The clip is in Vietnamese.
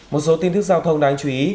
một số tin thức giao thông đáng chú ý